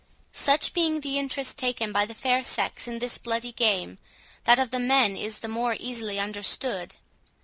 Such being the interest taken by the fair sex in this bloody game, that of the men is the more easily understood.